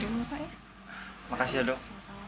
dulu needed apa pak yuk maksudnya dong sama highness